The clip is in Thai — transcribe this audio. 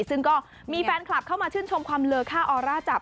ซึ่งก็มีแฟนคลับเข้ามาชื่นชมความเลอค่าออร่าจับ